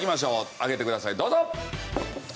上げてくださいどうぞ！